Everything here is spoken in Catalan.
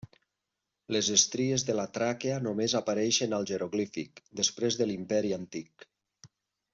Les estries de la tràquea només apareixen al jeroglífic, després de l'Imperi Antic.